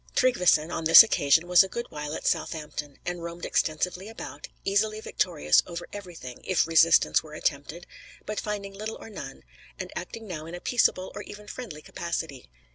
[Illustration: A Norse raid under Olaf.] Tryggveson, on this occasion, was a good while at Southampton; and roamed extensively about, easily victorious over everything, if resistance were attempted, but finding little or none; and acting now in a peaceable or even friendly capacity.